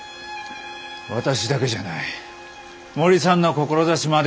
私だけじゃない森さんの志までが。